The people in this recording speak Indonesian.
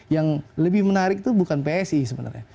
yang lebih menarik itu bukan psi sebenarnya